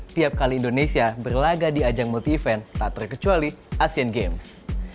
tiap kali indonesia berlaga di ajang multi event tak terkecuali asian games